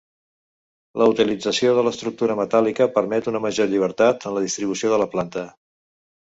La utilització de l'estructura metàl·lica permet una major llibertat en la distribució de la planta.